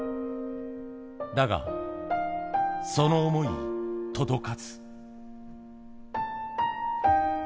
だが、その想いは届かず。